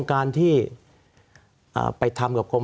สวัสดีครับทุกคน